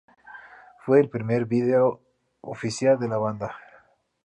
Fue el primer vídeo oficial de la banda.